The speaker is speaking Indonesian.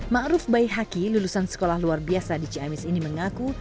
ma'ruf bayi haki lulusan sekolah luar biasa di ciamis ini mengaku